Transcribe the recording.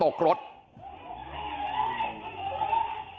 และรับเรื่องจนกรถ